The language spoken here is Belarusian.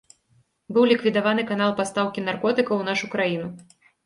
Быў ліквідаваны канал пастаўкі наркотыкаў у нашу краіну.